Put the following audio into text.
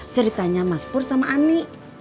ceritanya mas pur sama ani